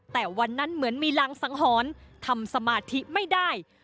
แต่วันนั้นเหมือนมีรังสังหรณ์ทำสมาธิไม่ได้